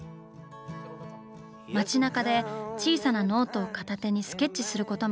町なかで小さなノートを片手にスケッチすることも。